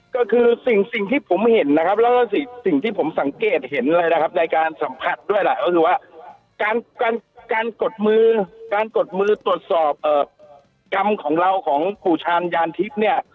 ก็คือสิ่งที่ผมเห็นนะครับแล้วก็สิ่งที่ผมสังเกตเห็นเลยนะครับในการสัมผัสด้วยแหละก็คือว่าการการกดมือการกดมือตรวจสอบกรรมของเราของปู่ชาญยานทิพย์เนี่ย